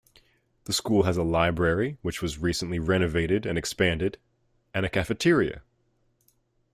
The school has a library, which was recently renovated and expanded, and a cafeteria.